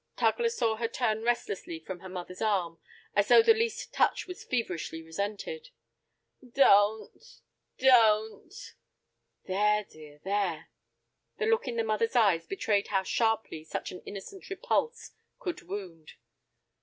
Tugler saw her turn restlessly from her mother's arm, as though the least touch was feverishly resented. "Don't, don't—" "There, dear, there!" The look in the mother's eyes betrayed how sharply such an innocent repulse could wound.